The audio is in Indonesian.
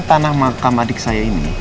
tanah makam adik saya ini